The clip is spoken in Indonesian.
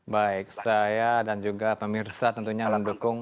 baik saya dan juga pemirsa tentunya mendukung